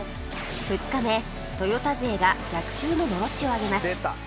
２日目トヨタ勢が逆襲ののろしを上げます